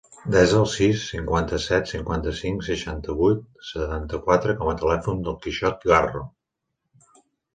Desa el sis, cinquanta-set, cinquanta-cinc, seixanta-vuit, setanta-quatre com a telèfon del Quixot Garro.